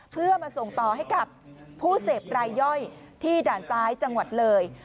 เพื่อมาส่งต่อให้กับผู้เสพรายย่อยที่ด่านซ้ายจังหวัดเลย